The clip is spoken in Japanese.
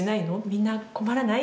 みんな困らない？」